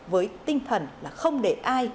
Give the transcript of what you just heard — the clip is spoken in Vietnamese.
với tinh thần là không để ai